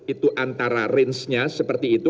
itu antara rangenya seperti itu